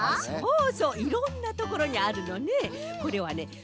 そうそういろんなところにあるのね。